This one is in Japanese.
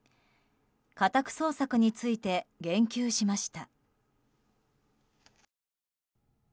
家宅捜索について言及しました。